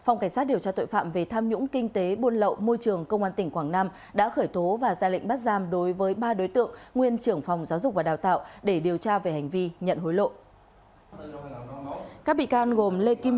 nguyễn tấn lộc nguyên trưởng phòng giáo dục và đào tạo huyện nam giang